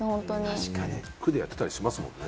区でやったりしてますもんね。